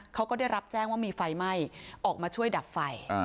เขาก็ได้รับแจ้งว่ามีไฟไหม้ออกมาช่วยดับไฟ